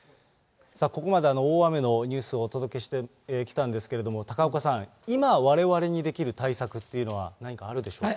ここまで大雨のニュースをお届けしてきたんですけれども、高岡さん、今、われわれにできる対策というのは、何かあるでしょうか。